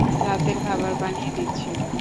রাতের খাবার বানিয়ে দিচ্ছি।